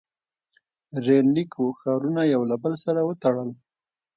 • ریل لیکو ښارونه یو له بل سره وتړل.